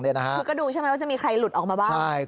คือก็ดูใช่ไหมว่าจะมีใครหลุดออกมาบ้าง